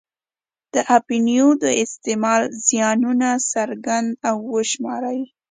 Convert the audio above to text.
د اپینو د استعمال زیانونه څرګند او وشماري.